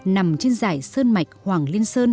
nằm trên dải sơn mạch hoàng liên sơn